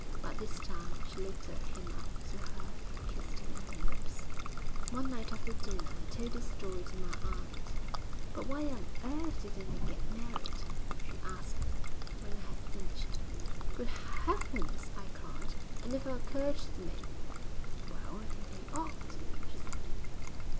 But this time she lifted him up to her and kissed him on the lips. VIII One night after dinner I told this story to my aunt. 'But why on earth didn't they get married?' she asked, when I had finished. 'Good Heavens!' I cried. 'It never occurred to me.' 'Well, I think they ought,' she said.